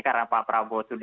karena pak prabowo sudah menang